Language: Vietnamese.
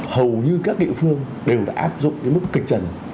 hầu như các địa phương đều đã áp dụng mức kịch trần